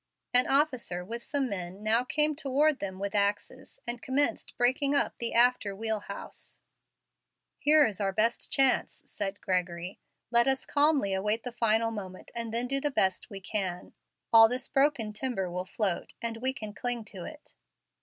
An officer, with some men, now came toward them with axes, and commenced breaking up the after wheelhouse. "Here is our best chance," said Gregory. "Let us calmly await the final moment and then do the best we can. All this broken timber will float, and we can cling to it."